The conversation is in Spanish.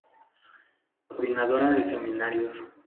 Coordinadora de Seminarios.